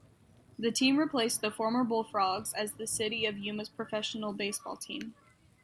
The team replaced the former Bullfrogs as the city of Yuma's professional baseball team.